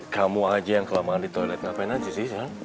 kamu aja yang kelamaan di toilet ngapain aja sih